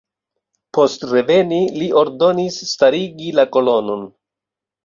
Post reveni li ordonis starigi la kolonon.